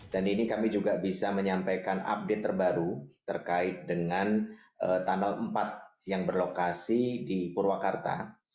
ini kami juga bisa menyampaikan update terbaru terkait dengan tunnel empat yang berlokasi di purwakarta